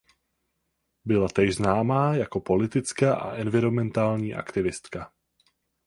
Byla též známá jako politická a environmentální aktivistka.